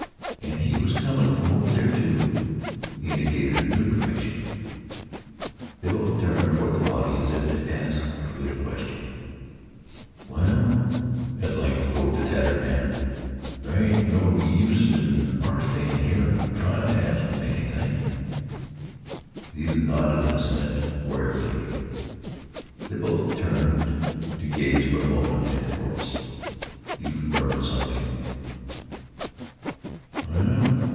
And he was coming from over there, too." He indicated a new direction. They both turned toward the body as if to ask of it a question. "Well," at length spoke the tattered man, "there ain't no use in our stayin' here an' tryin' t' ask him anything." The youth nodded an assent wearily. They both turned to gaze for a moment at the corpse. The youth murmured something.